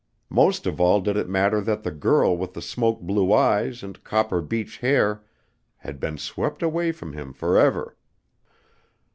Most of all did it matter that the girl with the smoke blue eyes and copper beech hair had been swept away from him forever.